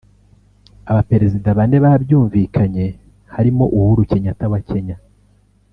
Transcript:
Abaperezida bane babyumvikanye harimo Uhuru Kenyatta wa Kenya